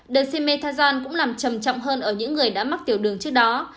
dexamethasone cũng làm trầm trọng hơn ở những người đã mắc tiểu đường trước đó